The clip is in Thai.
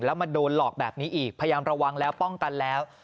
แล้วมาโดนหลอกแบบนี้อีกพยายามระวังแล้วป้องกันแล้ว